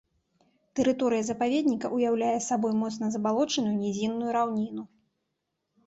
Тэрыторыя запаведніка ўяўляе сабой моцна забалочаную нізінную раўніну.